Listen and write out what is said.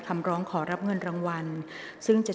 กรรมการท่านที่ห้าได้แก่กรรมการใหม่เลขเก้า